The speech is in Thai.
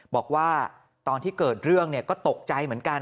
บอกว่าตอนที่เกิดเรื่องก็ตกใจเหมือนกัน